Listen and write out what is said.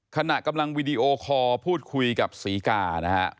ขณะกำลังวีดีโอคอร์พูดคุยกับศรีกานะฮะ